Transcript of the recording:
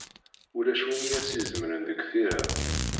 Ulac win i as-izemren deg tira.